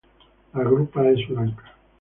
La grupa es blanca.